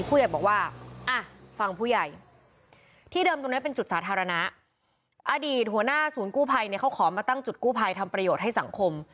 ผู้ใหญ่บอกว่าอ่ะฟังผู้ใหญ่ที่เดิมตรงนั้นเป็นจุดสาธารณะอดีตหัวหน้าศูนย์กู้ภัยเนี่ยเขาขอมาตั้งจุดกู้ภัยทำประโยชน์ให้สังคม